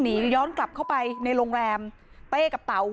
มีชายแปลกหน้า๓คนผ่านมาทำทีเป็นช่วยค่างทาง